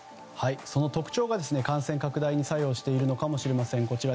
その特徴が感染拡大に作用しているのかもしれません。